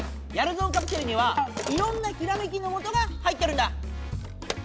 やるぞんカプセルにはいろんなひらめきのもとが入ってるんだ！